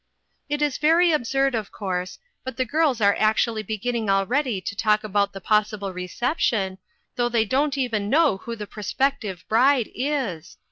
"It is very absurd, of course, but the girls are actually beginning already to talk about the possible reception, though they don't even know who the prospective bride is.